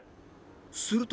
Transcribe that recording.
すると